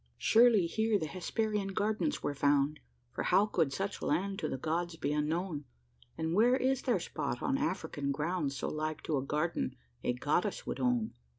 Surely here the Hesperian gardens were found For how could such land to the gods be unknown? And where is there spot upon African ground So like to a garden a goddess would own?